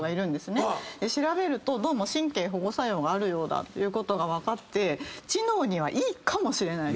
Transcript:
調べるとどうも神経保護作用があるということが分かって知能にはいいかもしれない。